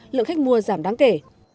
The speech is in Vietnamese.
lượng khách mua giảm đáng kể